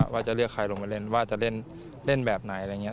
ว่าจะเรียกใครลงไปเล่นว่าจะเล่นแบบไหนอะไรอย่างนี้